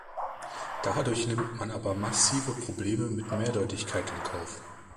Dadurch nimmt man aber massive Probleme mit Mehrdeutigkeit in Kauf.